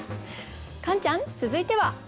カンちゃん続いては。